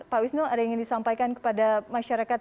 pak wisnu ada yang ingin disampaikan kepada masyarakat